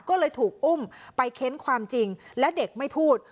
ก็เลยถูกอุ้มไปเค้นความจริงและเด็กไม่พูด